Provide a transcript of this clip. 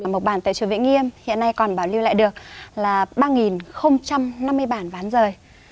mộc bản tại chùa vĩnh nghiêm hiện nay còn bảo lưu lại được là ba năm mươi bản ván rời